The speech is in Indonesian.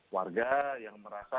warga yang merasa